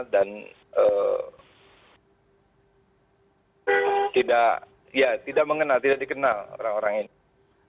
dan tidak mengenal tidak dikenal orang orang ini